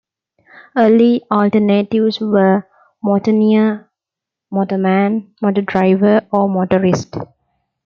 Early alternatives were "motorneer", "motor-man", "motor-driver" or "motorist".